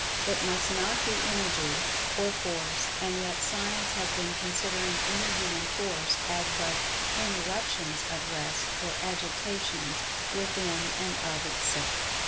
It must not be Energy or Force, and yet Science has been considering Energy and Force as but "interruptions of rest" or "agitations" within, and of, itself.